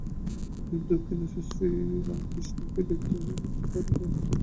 তিনি দক্ষিণেশ্বরে শ্রীরামকৃষ্ণকে দেখতে আসার সিদ্ধান্ত নিলেন।